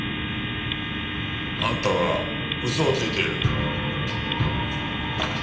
あんたは嘘をついている。